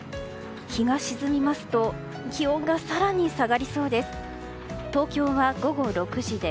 日が沈みますと気温が更に下がりそうです。